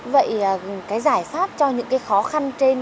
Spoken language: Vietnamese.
vậy cái giải pháp cho những khó khăn trên